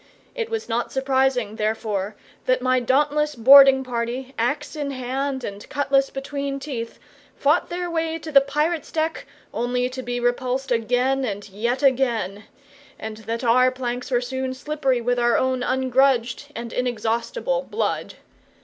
It was not surprising, therefore, that my dauntless boarding party, axe in hand and cutlass between teeth, fought their way to the pirates' deck only to be repulsed again and yet again, and that our planks were soon slippery with our own ungrudged and inexhaustible blood.